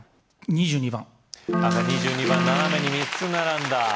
２２番赤２２番斜めに３つ並んだ